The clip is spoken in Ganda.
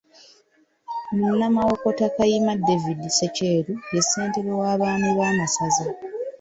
Munnamawokota Kayima David Ssekyeru ye ssentebe w'Abaami b'amasaza.